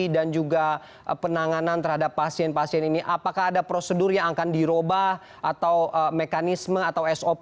dan juga penanganan terhadap pasien pasien ini apakah ada prosedur yang akan dirubah atau mekanisme atau s o p